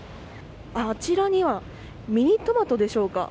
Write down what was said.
あちらにはミニトマトでしょうか。